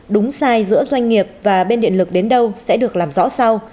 đúng sai giữa doanh nghiệp và bên điện lực đến đâu sẽ được làm rõ sau